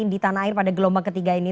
di tanah air pada gelombang ketiga ini